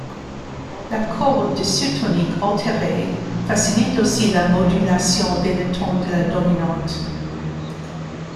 L’accord de sus-tonique altéré facilite aussi la modulation vers le ton de la dominante.